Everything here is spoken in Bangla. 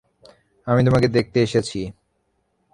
আমি তোমাকে দেখতে এসেছি।